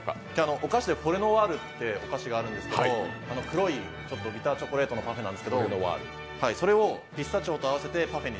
お菓子でフォレノワールってお菓子があるんですけど黒いちょっとビターチョコのパフェなんですけど、それをピスタチオと合わせてパフェに。